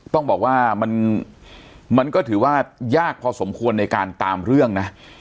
ต้องบอกว่ามันก็ถือว่ายากพอสมควรในการตามเรื่องนะ